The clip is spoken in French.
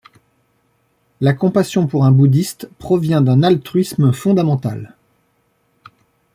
La compassion, pour un Bouddhiste, provient d'un altruisme fondamental.